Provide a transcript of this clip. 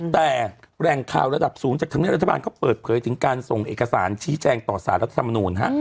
แต่แรงคาวระดับ๐จากทางแม่รัฐบาลก็เปิดเผยถึงการส่งเอกสารชี้แจงต่อสารรัฐธรรมนูญ